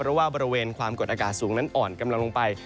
เพราะว่าบริเวณความกดอากาศสูงนั้นอ่อนกำลังลงไป